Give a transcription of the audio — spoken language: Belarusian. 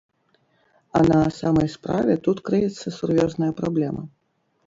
А на самай справе тут крыецца сур'ёзная праблема.